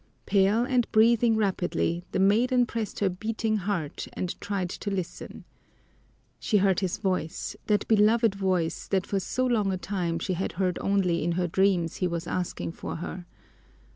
Pale and breathing rapidly, the maiden pressed her beating heart and tried to listen. She heard his voice, that beloved voice that for so long a time she had heard only in her dreams he was asking for her!